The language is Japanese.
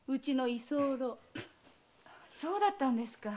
そうだったんですか。